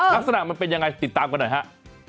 ลักษณะมันเป็นยังไงติดตามกันหน่อยฮะ